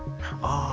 ああ。